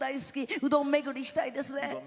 うどん巡りしたいですね。